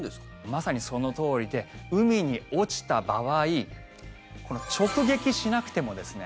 まさにそのとおりで海に落ちた場合直撃しなくてもですね